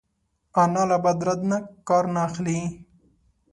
انا له بد رد نه کار نه اخلي